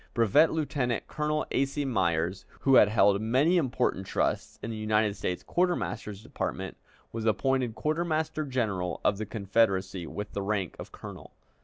Brevet Lieutenant Colonel A. C. Myers, who had held many important trusts in the United States Quartermaster's Department, was appointed Quartermaster General of the Confederacy, with the rank of colonel.